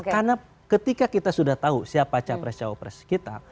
karena ketika kita sudah tahu siapa capres capres kita